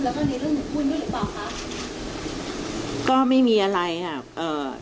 แล้วก็ในเรื่องหนูคุยไหมหนูหรือเปล่าคะก็ไม่มีอะไรอ่ะ